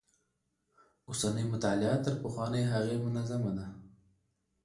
اوسنۍ مطالعه تر پخوانۍ هغې منظمه ده.